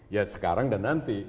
ya sekarang dan nanti